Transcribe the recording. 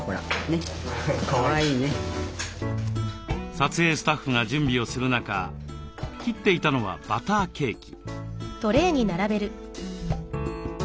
撮影スタッフが準備をする中切っていたのはバターケーキ。